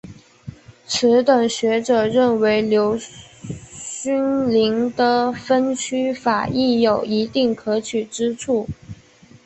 此等学者认为刘勋宁的分区法亦有一定可取之处。